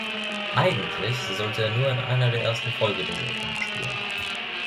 Eigentlich sollte er nur in einer der ersten Folgen der Serie mitspielen.